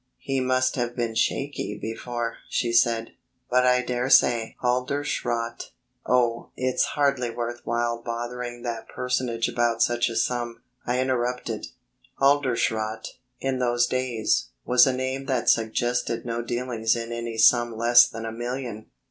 "He must have been shaky before," she said, "but I daresay Halderschrodt...." "Oh, it's hardly worth while bothering that personage about such a sum," I interrupted. Halderschrodt, in those days, was a name that suggested no dealings in any sum less than a million.